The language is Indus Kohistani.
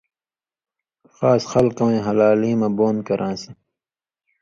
خاص خلکہ وَیں ہلالیں مہ بُون کران٘سیۡ